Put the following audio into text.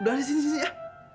udah disini sini ya